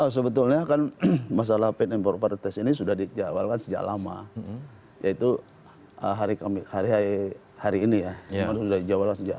sebetulnya kan masalah fit and propertize ini sudah dijadwalkan sejak lama yaitu hari ini ya